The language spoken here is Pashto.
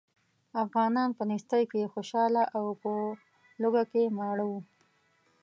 افغانان په نېستۍ کې خوشاله او په لوږه کې ماړه وو.